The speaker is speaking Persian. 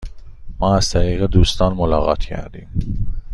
ما از طریق دوستان ملاقات کردیم.